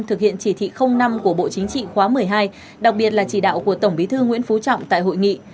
thực hiện chỉ thị năm của bộ chính trị khóa một mươi hai đặc biệt là chỉ đạo của tổng bí thư nguyễn phú trọng tại hội nghị